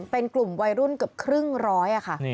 เป็นกลุ่มวัยรุ่นเกือบครึ่งร้อยค่ะ